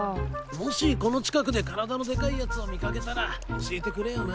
もしこの近くで体のでかいやつを見掛けたら教えてくれよな。